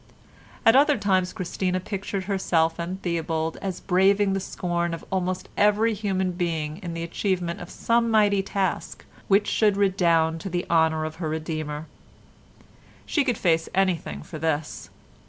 At other times Christina pictured herself and Theobald as braving the scorn of almost every human being in the achievement of some mighty task which should redound to the honour of her Redeemer. She could face anything for this.